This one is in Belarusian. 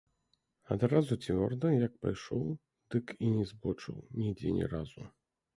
Адразу цвёрда як пайшоў, дык і не збочыў нідзе ні разу.